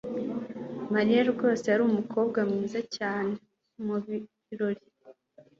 mariya rwose yari umukobwa mwiza cyane mubirori